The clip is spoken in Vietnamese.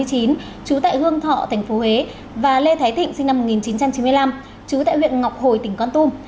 trú tại hương thọ tp huế và lê thái thịnh sinh năm một nghìn chín trăm chín mươi năm chú tại huyện ngọc hồi tỉnh con tum